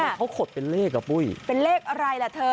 เขาขดเป็นเลขอ่ะปุ้ยเป็นเลขอะไรล่ะเธอ